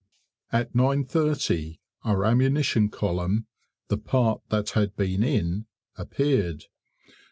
At 9.30 our ammunition column (the part that had been "in") appeared.